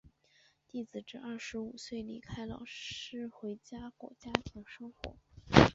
弟子至二十五岁离开老师回家过家庭生活。